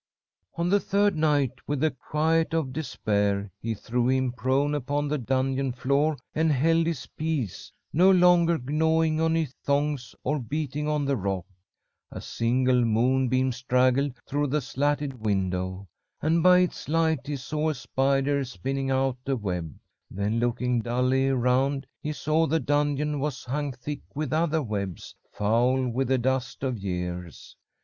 "On the third night, with the quiet of despair he threw him prone upon the dungeon floor and held his peace, no longer gnawing on his thongs or beating on the rock. A single moonbeam straggled through the slatted window, and by its light he saw a spider spinning out a web. Then, looking dully around, he saw the dungeon was hung thick with other webs, foul with the dust of years.